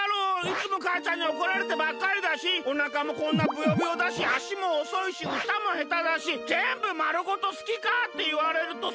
いつもかあちゃんにおこられてばっかりだしおなかもこんなブヨブヨだしあしもおそいしうたもへただしぜんぶまるごと好きかっていわれるとそうでもないかも。